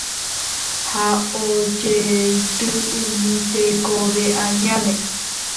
ha ojeity umi tekoañáme